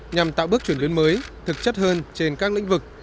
nhằm tạo bước chuyển biến mới thực chất hơn trên các lĩnh vực